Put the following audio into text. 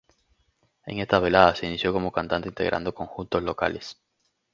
En estas veladas se inició como cantante integrando conjuntos locales.